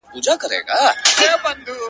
دا صفت مي په صفاتو کي د باز دی،